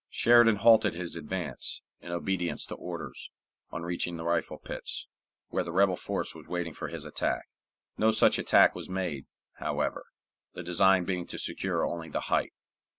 Sheridan halted his advance, in obedience to orders, on reaching the rifle pits, where the rebel force was waiting for his attack. No such attack was made, however, the design being to secure only the height.